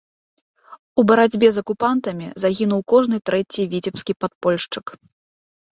У барацьбе з акупантамі загінуў кожны трэці віцебскі падпольшчык.